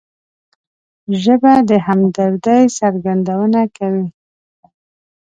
ژبه د همدردۍ څرګندونه کوي